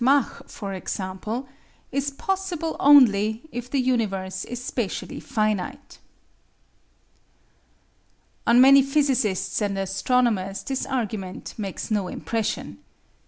Mach, for example is possible only if the universe is spatially finite. On many physicists and astronomers this argument makes no impression.